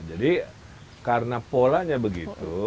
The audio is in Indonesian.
jadi karena polanya begitu